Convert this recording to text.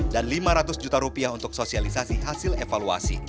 lima ratus juta rupiah untuk sosialisasi hasil evaluasi